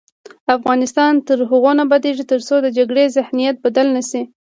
افغانستان تر هغو نه ابادیږي، ترڅو د جګړې ذهنیت بدل نه شي.